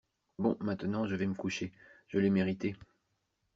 Bon, maintenant, je vais me coucher, je l’ai mérité.